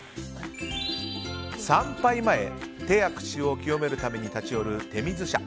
参拝前、手や口を清めるために立ち寄る手水舎。